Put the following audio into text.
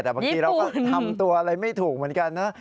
แต่บางทีเราก็ทำตัวอะไรไม่ถูกเหมือนกันนะ